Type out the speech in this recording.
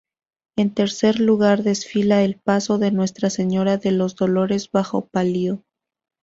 En tercer lugar desfila el paso de Nuestra Señora de los Dolores bajo palio.